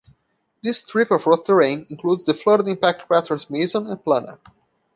This strip of rough terrain includes the flooded impact craters Mason and Plana.